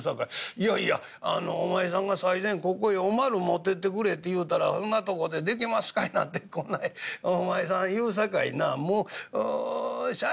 『いやいやお前さんが最前ここへおまる持ってってくれ』って言うたら『そんなとこでできますかいな』ってこないお前さん言うさかいなもうしゃあないさかい